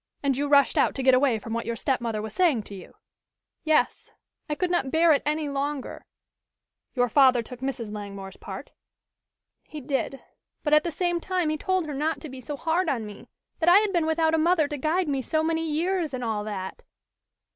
"And you rushed out to get away from what your stepmother was saying to you?" "Yes. I could not bear it any longer." "Your father took Mrs. Langmore's part?" "He did, but at the same time he told her not to be so hard on me that I had been without a mother to guide me so many years, and all that."